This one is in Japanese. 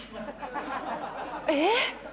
えっ？